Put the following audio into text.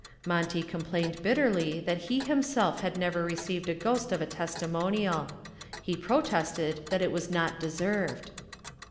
Monty complained bitterly that he himself had never received a ghost of a testimonial. He protested that it was not deserved.